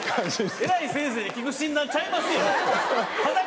偉い先生に聞く診断ちゃいますよ。